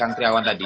kekal kriawan tadi